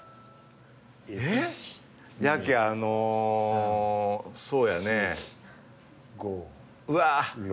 やけあのそうやね。うわぁ。